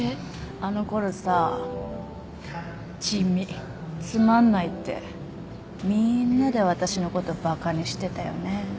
あのころさ地味つまんないってみんなで私のことバカにしてたよね？